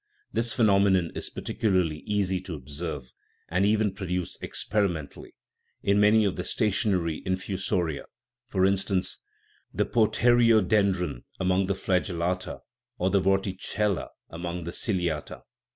This phenom enon is particularly easy to observe, and even produce experimentally, in many of the stationary infusoria (for instance, the poteriodendron among the flagellata, and the vorticella among the ciliata).